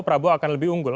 pranowo akan lebih unggul